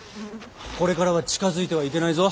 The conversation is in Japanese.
これからは近づいてはいけないぞ。